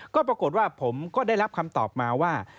ก็ปรากฏว่าผมก็ได้รับคำตอบมาว่า